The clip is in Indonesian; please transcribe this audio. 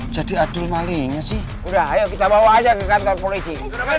jadi adil malingnya sih udah ayo kita bawa aja ke kantor polisi